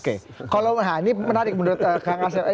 ini menarik menurut kang hasil